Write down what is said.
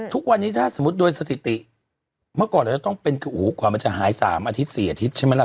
ทุกวันนี้ถ้าสมมุติโดยสถิติเมื่อก่อนเราจะต้องเป็นคือโอ้โหกว่ามันจะหาย๓อาทิตย์๔อาทิตย์ใช่ไหมล่ะ